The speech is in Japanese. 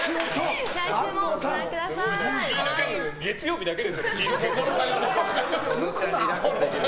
月曜日だけですよ。